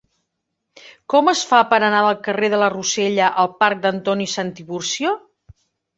Com es fa per anar del carrer de la Rosella al parc d'Antoni Santiburcio?